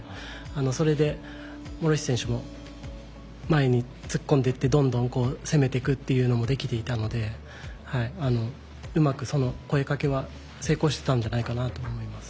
それで諸石選手も前に突っ込んでいってどんどん攻めていくというのもできていたのでうまく、声かけは成功してたんじゃないかなと思います。